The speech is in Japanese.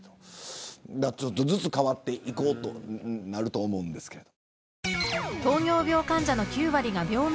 ちょっとずつ変わっていこうとなると思いますけど。